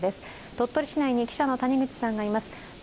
鳥取市内に記者の谷口さんがいます